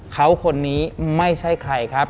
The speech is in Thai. เขาคนนี้ไม่ใช่ใครครับ